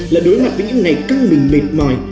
là đối mặt với những ngày căng mình mệt mỏi